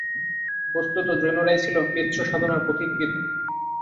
বস্তুত জৈনরাই ছিল কৃচ্ছসাধনার পথিকৃৎ।